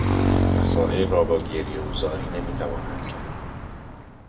مسایل را با گریه و زاری نمیتوان حل کرد.